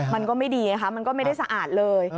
มันก็ไม่ดีไงคะมันก็ไม่ได้สะอาดเลย